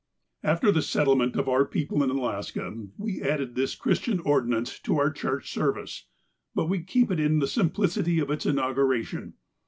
" After the settlement of our people in Alaska, we added this Christian ordinance to our Church service, but we keep it in the simplicity of its inauguration.